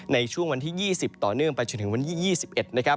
ในช่วงวันที่๒๐ต่อเนื่องไปจนถึงวันที่๒๑นะครับ